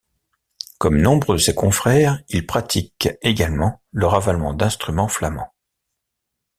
Comme nombre de ses confrères, il pratique également le ravalement d'instruments flamands.